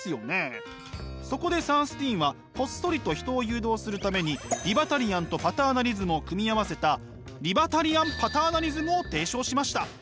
そこでサンスティーンはこっそりと人を誘導するためにリバタリアンとパターナリズムを組み合わせたリバタリアン・パターナリズムを提唱しました。